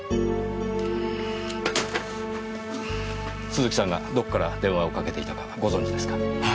鈴木さんがどこから電話を掛けていたかご存じですか？